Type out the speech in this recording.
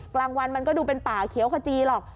กลางวันมันก็ดูเป็นป่าเขียวขจีหรอก